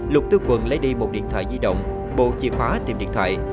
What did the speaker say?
lục tư quận lấy đi một điện thoại di động bộ chìa khóa tìm điện thoại